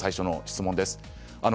最初の質問です。